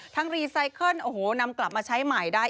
รีไซเคิลโอ้โหนำกลับมาใช้ใหม่ได้